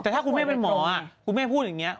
แต่ถ้าคุณแม่เป็นหมอคุณแม่พูดอย่างนี้